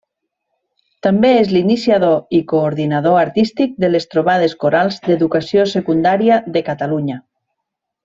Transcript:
També és l'iniciador i coordinador artístic de les Trobades Corals d'Educació Secundària de Catalunya.